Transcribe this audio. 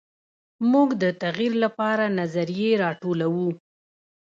موږ د تغیر لپاره نظریې راټولوو.